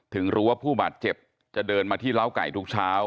ถึงรู้ว่าผู้บาดเจ็บจะเดินมาที่เล้าไก่ทุกเช้า